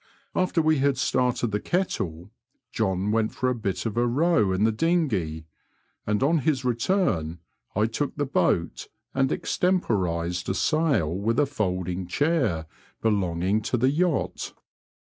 After we had started the kettle, John went for a bit of a row in the dinghey, and on his return 1 took the boat and extemporised a sail with a folding chair belonging to the yacht.